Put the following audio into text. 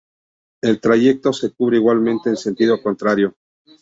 El trayecto se cubre igualmente en sentido contrario.